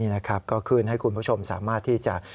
นี่นะครับก็ขึ้นให้คุณผู้ชมสามารถที่จะ